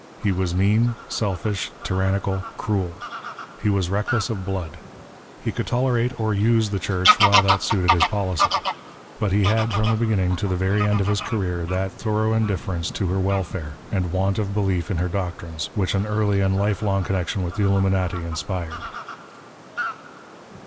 He was mean, selfish, tyrannical, cruel. He was reckless of blood. He could tolerate or use the Church while that suited his policy. But he had from the beginning to the very end of his career that thorough indifference to her welfare, and want of belief in her doctrines, which an early and life long connection with the Illuminati inspired.